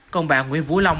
còn bạn nguyễn vũ long